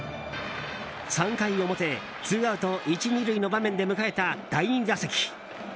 ３回表、ツーアウト１、２塁の場面で迎えた第２打席。